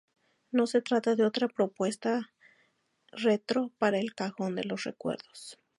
No se trata de otra propuesta retro para el cajón de los recuerdos.